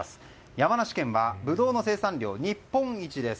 山梨県はブドウの生産量日本一です。